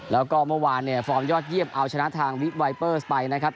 แล้วก็เมื่อวานเนี่ยฟอร์มยอดเยี่ยมเอาชนะทางวิไวเปอร์สไปนะครับ